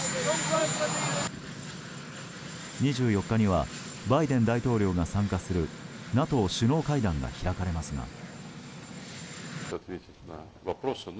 ２４日にはバイデン大統領が参加するＮＡＴＯ首脳会談が開かれますが。